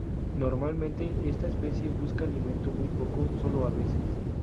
Normalmente esta especie busca alimento muy poco, sólo a veces.